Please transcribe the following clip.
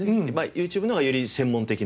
ＹｏｕＴｕｂｅの方がより専門的な。